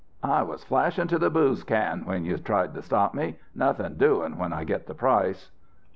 I was flashin' to the booze can when you tried to stop me.... Nothin' doin' when I get the price.'"